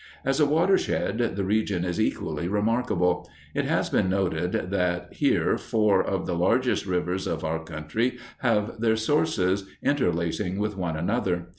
As a watershed the region is equally remarkable. It has been noted that here four of the largest rivers of our country have their sources, interlacing with one another.